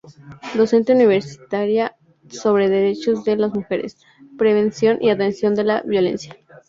Docente universitaria sobre Derechos de las Mujeres, prevención y atención de la violencia.